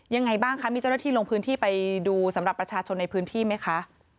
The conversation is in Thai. ยังไงบ้างคะมีเจ้าหน้าที่ลงพื้นที่ไปดูสำหรับประชาชนในพื้นที่ไหมคะ